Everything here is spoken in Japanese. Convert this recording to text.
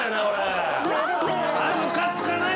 あれムカつかない？